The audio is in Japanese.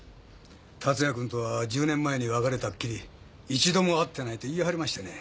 達也君とは１０年前に別れたきり一度も会ってないと言い張りましてね。